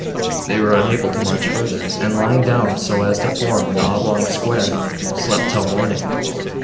They were unable to march further, and lying down so as to form an oblong square, slept till morning.